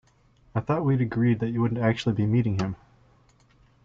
I thought we'd agreed that you wouldn't actually be meeting him?